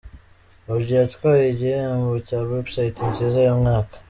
org yatwaye igihembo cya Website nziza y'umwaka.